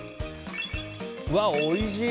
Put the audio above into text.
うわ、おいしい！